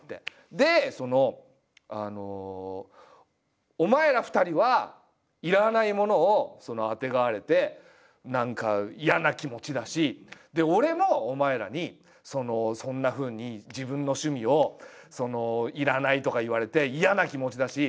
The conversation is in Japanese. で「お前ら２人は要らないものをあてがわれて何か嫌な気持ちだし俺もお前らにそんなふうに自分の趣味を『要らない』とか言われて嫌な気持ちだし。